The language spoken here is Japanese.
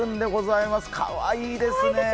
かわいいですね。